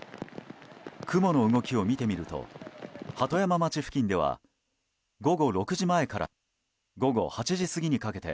雲の動きを見てみると鳩山町付近では午後６時前から午後８時過ぎにかけて